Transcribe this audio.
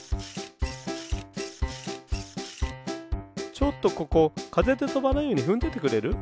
ちょっとここかぜでとばないようにふんどいてくれる？